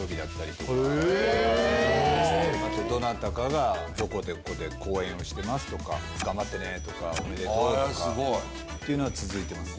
あとどなたかがどこどこで公演をしてますとか頑張ってねとかおめでとうとかっていうのは続いてますね。